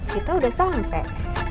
kita udah sampai